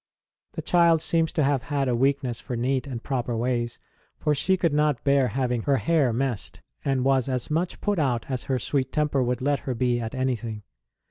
The child seems to have had a weak ness for neat and proper ways, for she could not bear having her hair messed, and was as much put out as her sweet temper would let her be at anything.